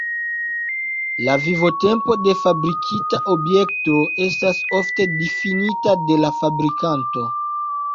La vivotempo de fabrikita objekto estas ofte difinita de la fabrikanto.